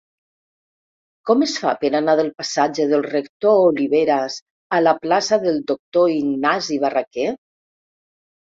Com es fa per anar de la passatge del Rector Oliveras a la plaça del Doctor Ignasi Barraquer?